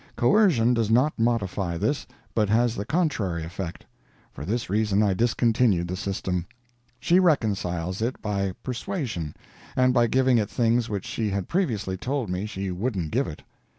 Coercion does not modify this, but has the contrary effect. For this reason I discontinued the system. She reconciles it by persuasion, and by giving it things which she had previously told me she wouldn't give it.